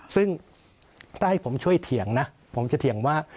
ซึ่งถ้าให้ผมช่วยเถียงนะผมจะเถียงว่า